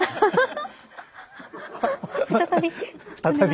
再び。